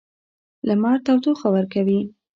لمر تودوخه ورکوي.